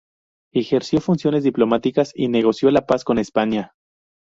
Ejerció funciones diplomáticas y negoció la paz con España.